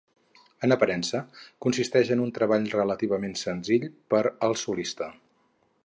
En aparença consisteix en un treball relativament senzill per al solista.